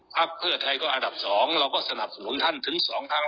ภาคเพื่อไทยก็อันดับสองเราก็สนับสนุนท่านถึงสองทาง